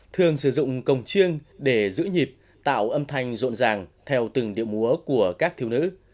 thường sử dụng công chiêng để giữ nhịp tạo âm thanh rộn ràng theo từng điệu múa của các thiếu nữ